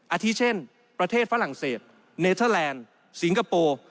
อาทิเช่นประเทศฝรั่งเศสเนเทอร์แลนด์สิงคโปร์